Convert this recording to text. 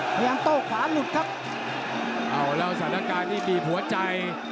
พยายามโตขาหลุดครับเอาแล้วสถานการณ์ที่ดีหัวใจ